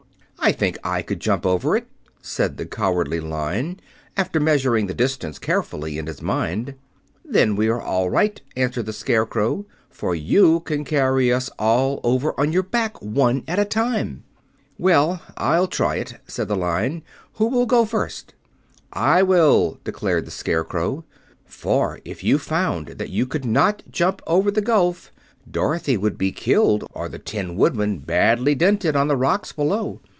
"I think I could jump over it," said the Cowardly Lion, after measuring the distance carefully in his mind. "Then we are all right," answered the Scarecrow, "for you can carry us all over on your back, one at a time." "Well, I'll try it," said the Lion. "Who will go first?" "I will," declared the Scarecrow, "for, if you found that you could not jump over the gulf, Dorothy would be killed, or the Tin Woodman badly dented on the rocks below.